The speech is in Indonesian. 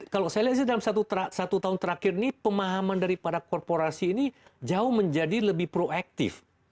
kalau saya lihat sih dalam satu tahun terakhir ini pemahaman daripada korporasi ini jauh menjadi lebih proaktif